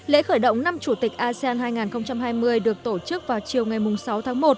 lễ khởi động năm chủ tịch asean hai nghìn hai mươi được tổ chức vào chiều ngày sáu tháng một